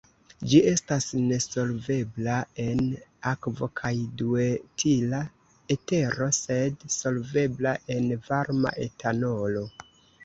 Ĝi estas nesolvebla en akvo kaj duetila etero sed solvebla en varma etanolo.